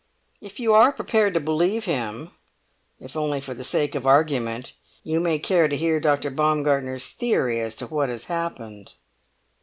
If you are prepared to believe him, if only for the sake of argument, you may care to hear Dr. Baumgartner's theory as to what has happened."